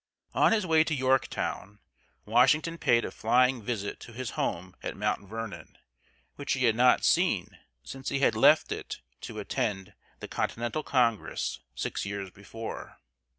On his way to Yorktown, Washington paid a flying visit to his home at Mount Vernon, which he had not seen since he left it to attend the Continental Congress six years before.